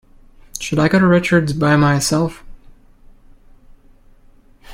Should I go to Richard's by myself?